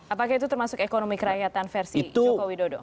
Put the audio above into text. apakah itu termasuk ekonomi kerakyatan versi joko widodo